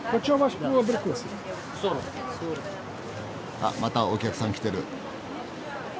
あっまたお客さん来てる。